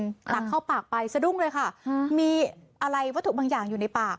ตักเข้าปากไปสะดุ้งเลยค่ะมีอะไรวัตถุบางอย่างอยู่ในปาก